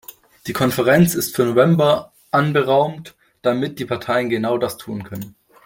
Die Konferenz ist für November anberaumt, damit die Parteien genau das tun können.